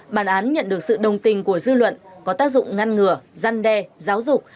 bản án nhận được sự đồng tình của dư luận có tác dụng ngăn ngừa gian đe giáo dục